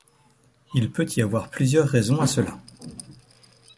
Il peut y avoir plusieurs raisons à cela.